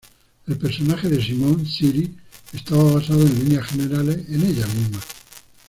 El personaje de Simmons, Siri, estaba basado, en líneas generales, en ella misma.